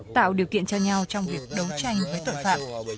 tạo điều kiện cho nhau trong việc đấu tranh với tội phạm